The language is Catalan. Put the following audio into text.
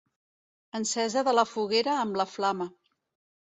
Encesa de la foguera amb la flama.